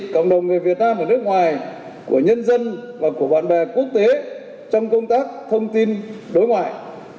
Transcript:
cộng đồng người việt nam ở nước ngoài của nhân dân và của bạn bè quốc tế trong công tác thông tin đối ngoại